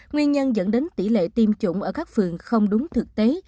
nguyên nhân dẫn đến tỷ lệ tiêm chủng ở các phường không đúng thực tế